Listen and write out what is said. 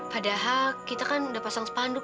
padahal kita kan udah pasang spanduk